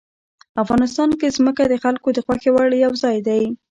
افغانستان کې ځمکه د خلکو د خوښې وړ یو ځای دی.